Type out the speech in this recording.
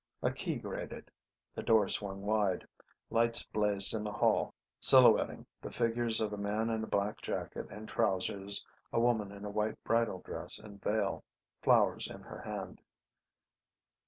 A key grated. The door swung wide. Lights blazed in the hall, silhouetting the figures of a man in black jacket and trousers, a woman in a white bridal dress and veil, flowers in her hand.